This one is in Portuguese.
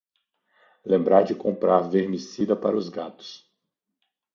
Lembrar de comprar vermicida para gatos